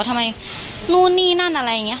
ทำไมนู่นนี่นั่นอะไรอย่างนี้